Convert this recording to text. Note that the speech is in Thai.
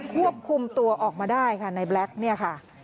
ควบคุมตัวออกมาได้ค่ะในแบล็คเนี่ยค่ะ